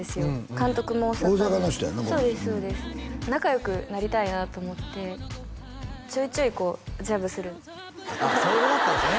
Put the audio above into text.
監督も大阪大阪の人やんなこの人仲良くなりたいなと思ってちょいちょいこうジャブするそういうことだったんですね